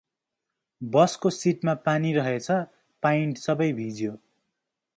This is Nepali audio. बसको सिटमा पानी रहेछ पाइन्ट सबै भिज्यो ।